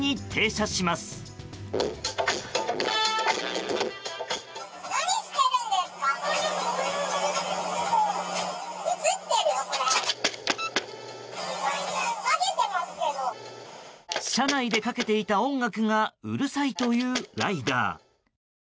車内でかけていた音楽がうるさいというライダー。